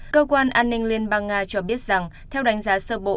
cơ quan an ninh liên bang nga cho biết rằng theo đánh giá sơ bộ